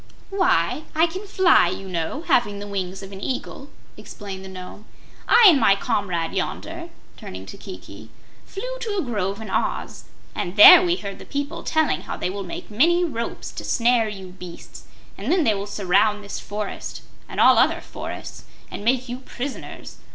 "Why, I can fly, you know, having the wings of an Eagle," explained the Nome. "I and my comrade yonder," turning to Kiki, "flew to a grove in Oz, and there we heard the people telling how they will make many ropes to snare you beasts, and then they will surround this forest, and all other forests, and make you prisoners.